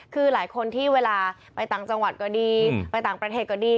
คือหลายคนที่เวลาไปต่างจังหวัดก็ดีไปต่างประเทศก็ดี